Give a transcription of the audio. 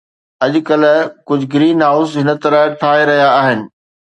اڄڪلهه، ڪجهه greenhouse هن طرح ٺاهي رهيا آهن